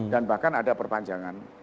dan bahkan ada perpanjangan